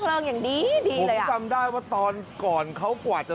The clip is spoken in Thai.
พี่เบิร์ดมันก็เป็นไม้ด้วยนะ